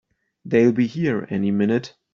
They'll be here any minute!